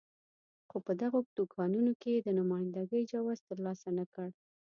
خو په دغو دوکانونو کې یې د نماینده ګۍ جواز ترلاسه نه کړ.